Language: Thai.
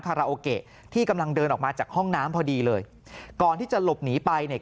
คาราโอเกะที่กำลังเดินออกมาจากห้องน้ำพอดีเลยก่อนที่จะหลบหนีไปเนี่ย